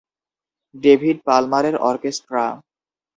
David পালমারের orchestra.